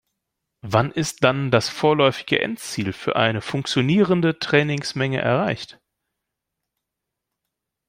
Wann ist dann das vorläufige Endziel für eine funktionierende Trainingsmenge erreicht?